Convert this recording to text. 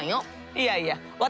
いやいや私